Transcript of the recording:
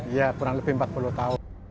ya kurang lebih empat puluh tahun